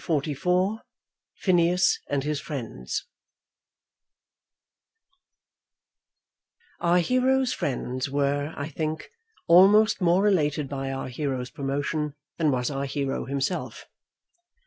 CHAPTER XLIV Phineas and His Friends Our hero's friends were, I think, almost more elated by our hero's promotion than was our hero himself.